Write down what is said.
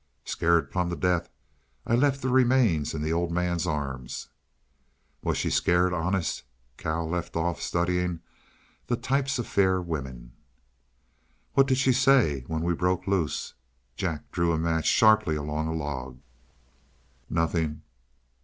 "Scared plum to death. I left the remains in the Old Man's arms." "Was she scared, honest?" Cal left off studying the "Types of Fair Women." "What did she say when we broke loose?" Jack drew a match sharply along a log. "Nothing.